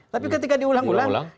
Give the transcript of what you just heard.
tapi ketika diulang ulang